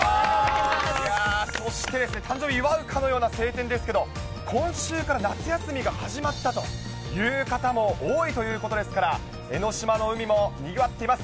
いやー、そして誕生日を祝うかのような晴天ですけど、今週から夏休みが始まったという方も多いということですから、江の島の海もにぎわっています。